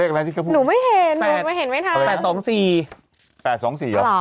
หนูไม่เห็น